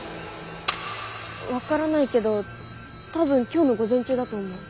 分からないけど多分今日の午前中だと思う。